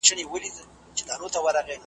د تجلیلولو لپاره هیڅ ډول مراسم نه لري .